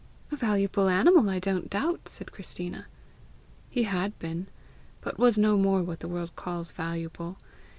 "A valuable animal, I don't doubt," said Christina. "He had been, but was no more what the world calls valuable.